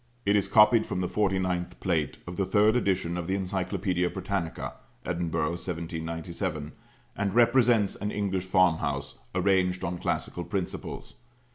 It is copied from the 49th plate of the third edition of the Encyclopædia Britannica (Edinburgh, 1797), and represents an English farmhouse arranged on classical principles.